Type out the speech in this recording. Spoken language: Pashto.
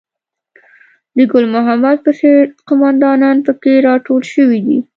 د ګل محمد په څېر قوماندانان په کې راټول شوي دي.